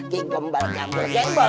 kikombal gambol gembol